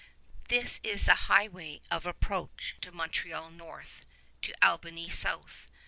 This is the highway of approach to Montreal north, to Albany south.